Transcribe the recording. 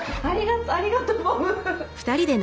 ありがとうボブ。